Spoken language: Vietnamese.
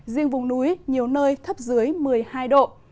riêng vùng núi nhiều nơi thấp dưới một mươi hai độ